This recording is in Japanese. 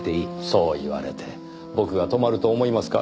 そう言われて僕が止まると思いますか？